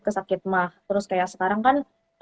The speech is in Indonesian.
ke sakit mah terus kayak sekarang kan